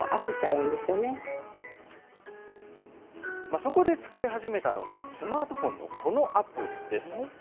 そこで使い始めたのが、スマートフォンのこのアプリです。